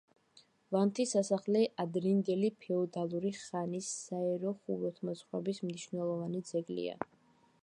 ვანთის სასახლე ადრინდელი ფეოდალური ხანის საერო ხუროთმოძღვრების მნიშვნელოვანი ძეგლია.